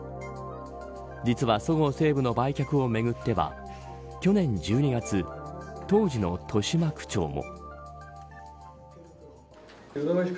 実は、そごう・西武の売却をめぐっては去年１２月、当時の豊島区長も。